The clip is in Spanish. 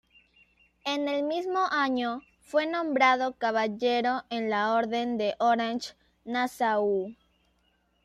En el mismo año, fue nombrado caballero en la Orden de Orange-Nassau.